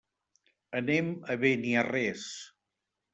Anem a Beniarrés.